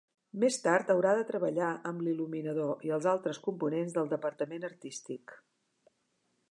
Més tard haurà de treballar amb l'il·luminador i els altres components del departament artístic.